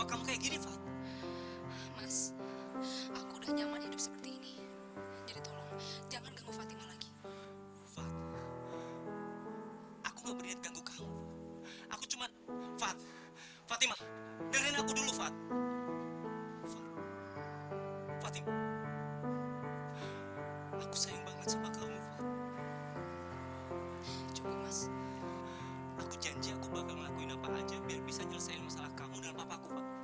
aku janji aku bakal ngelakuin apa aja biar bisa nyelesain masalah kamu dan papa ku fat